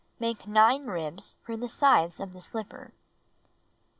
Make 9 ribs for the sides of the slipper.